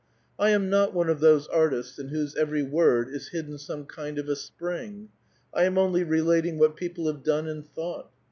I am not one of those artists in whose every word is hidden some kind of a spring. I am only relating what people have done and thought.